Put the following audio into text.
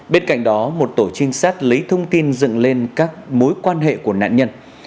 bên cạnh đó một tổ trinh sát lấy thông tin dựng lên các mối quan hệ của nạn nhân